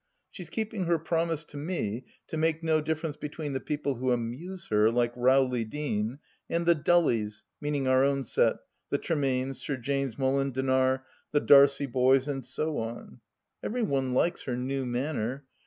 She is keeping her promise to me to make no difference between the people who amuse her, like Rowley Deane, and the " duUies," meaning our own set, the Tremaines, Sir James Molendinar, the Darcie boys, and so on. Every one likes her new manner.